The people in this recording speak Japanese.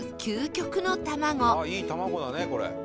あっいい卵だねこれ。